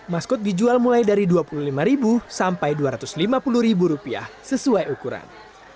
maskot dijual mulai dari rp dua puluh lima sampai rp dua ratus lima puluh sesuai ukuran